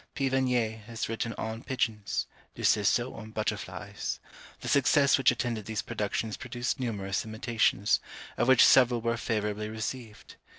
P. Vanière has written on Pigeons, Du Cerceau on Butterflies. The success which attended these productions produced numerous imitations, of which several were favourably received.